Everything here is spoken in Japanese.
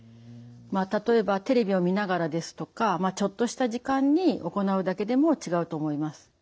例えばテレビを見ながらですとかちょっとした時間に行うだけでも違うと思います。